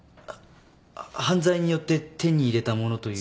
犯罪によって手に入れた物という。